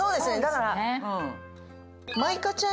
だから。